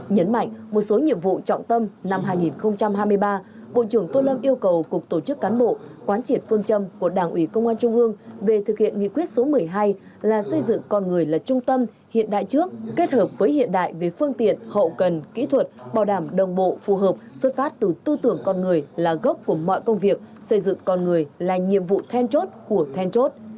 nhấn mạnh một số nhiệm vụ trọng tâm năm hai nghìn hai mươi ba bộ trưởng tô lâm yêu cầu cục tổ chức cán bộ quán triển phương trâm của đảng ủy công an trung ương về thực hiện nghị quyết số một mươi hai là xây dựng con người là trung tâm hiện đại trước kết hợp với hiện đại về phương tiện hậu cần kỹ thuật bảo đảm đồng bộ phù hợp xuất phát từ tư tưởng con người là gốc của mọi công việc xây dựng con người là nhiệm vụ then chốt của then chốt